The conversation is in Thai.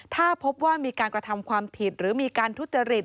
ถ้าพบว่ามีการกระทำความผิดหรือมีการทุจริต